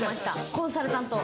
コンサルタント。